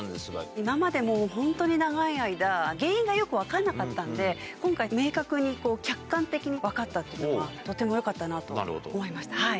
今まで、もう本当に長い間、原因がよく分からなかったんで、今回、明確に客観的に分かったっていうのはとてもよかったなと思いました。